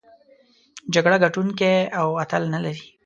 جګړه ګټوونکی او اتل نلري.